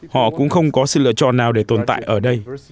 họ cũng không có sự lựa chọn nào để tồn tại ở đây